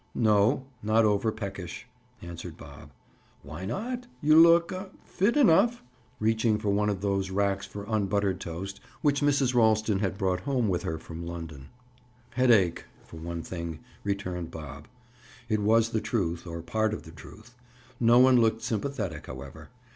"No, not over peckish," answered Bob. "Why not? You look—aw—fit enough!" Reaching for one of those racks for unbuttered toast which Mrs. Ralston had brought home with her from London. "Headache, for one thing," returned Bob. It was the truth, or part of the truth. No one looked sympathetic, however.